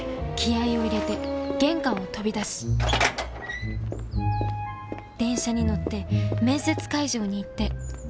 気合いを入れて玄関を飛び出し電車に乗って面接会場に行って。